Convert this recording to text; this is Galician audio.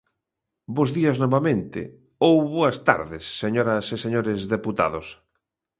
Bos días novamente, ou boas tardes, señoras e señores deputados.